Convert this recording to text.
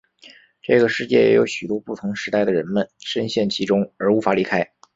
这个世界也有许多不同时代的人们身陷其中而无法离开。